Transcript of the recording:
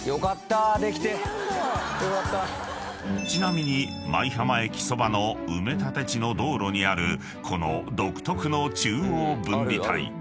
［ちなみに舞浜駅そばの埋立地の道路にあるこの独特の中央分離帯］